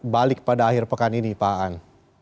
balik pada akhir pekan ini pak an